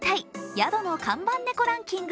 宿の看板ねこランキング